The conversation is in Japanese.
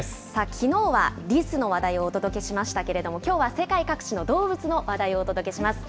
きのうはリスの話題をお届けしましたけれども、きょうは世界各地の動物の話題をお届けします。